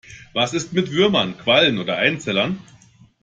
Was ist mit Würmern, Quallen oder Einzellern?